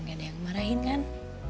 gak ada yang marahin kan